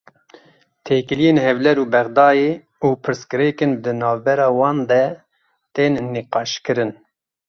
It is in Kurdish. Têkiliyên Hewlêr û Bexdayê û pirsgirêkên di navbera wan de tên nîqaşkirin.